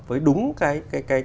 với đúng cái